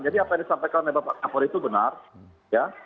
jadi apa yang disampaikan oleh bapak kapolri itu benar ya